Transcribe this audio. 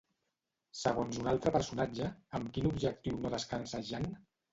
Segons un altre personatge, amb quin objectiu no descansa Jan?